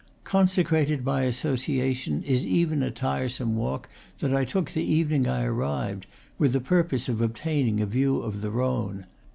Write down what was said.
Consecrated by association is even a tiresome walk that I took the evening I arrived, with the purpose of obtaining a view of the Rhone.